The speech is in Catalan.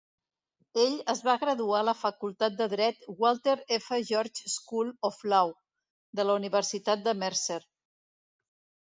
Ell es va graduar a la facultat de dret Walter F. George School of Law, de la Universitat de Mercer.